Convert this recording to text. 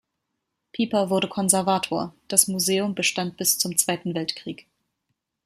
Piper wurde Konservator, das Museum bestand bis zum Zweiten Weltkrieg.